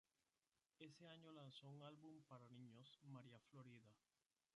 Ese año lanzó un álbum para niños, "María Florida".